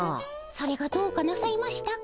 それがどうかなさいましたか？